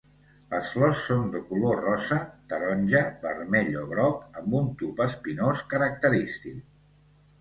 Les flors són de color rosa, taronja, vermell o groc amb un tub espinós característic.